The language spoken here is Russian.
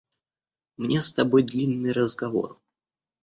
Мне с тобой длинный разговор.